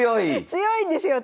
強いんですよ！